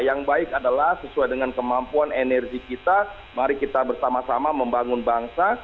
yang baik adalah sesuai dengan kemampuan energi kita mari kita bersama sama membangun bangsa